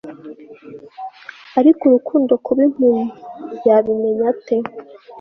ariko urukundo kuba impumyi, yabimenya ate